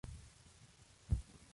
Actor canadiense de la nación mohawk.